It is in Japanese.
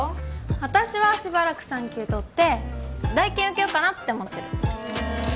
私はしばらく産休取って大検受けよっかなって思ってるへえ